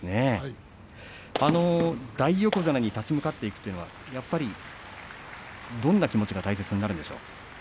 大横綱に立ち向かっていくというのはどんな気持ちが大切になるでしょう？